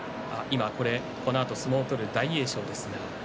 このあと相撲を取る大栄翔です。